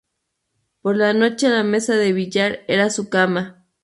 Por la noche la mesa de billar era su cama.